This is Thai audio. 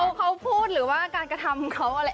เขาพูดหรือว่าการกระทำเขาอะไร